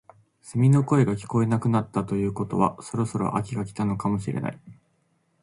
セミの声が聞こえなくなったということはそろそろ秋が来たのかもしれない